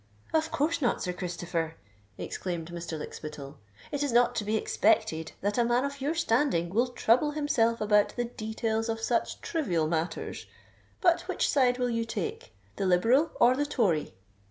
"Of course not, Sir Christopher," exclaimed Mr. Lykspittal. "It is not to be expected that a man of your standing will trouble himself about the details of such trivial matters. But which side will you take—the Liberal or the Tory?"